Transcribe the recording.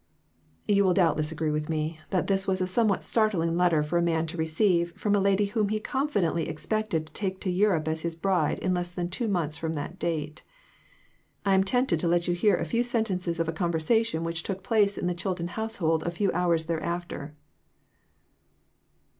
You will doubtless agree with me that this was a somewhat startling letter for a man to receive from a lady whom he confidently expected to take to Europe as his bride, in less than two months from that date ! I am tempted to let you hear a few sentences of a conversation which took place in the Chilton household a few hours thereafter.